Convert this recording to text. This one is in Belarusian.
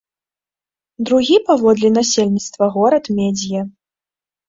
Другі паводле насельніцтва горад медзье.